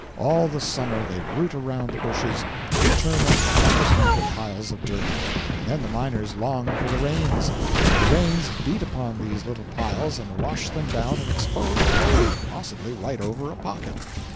All the summer they root around the bushes, and turn up a thousand little piles of dirt, and then the miners long for the rains; for the rains beat upon these little piles and wash them down and expose the gold, possibly right over a pocket.